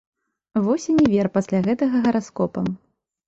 Вось і не вер пасля гэтага гараскопам!